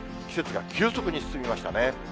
季節が急速に進みましたね。